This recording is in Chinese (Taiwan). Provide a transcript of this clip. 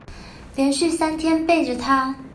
連續三天背著她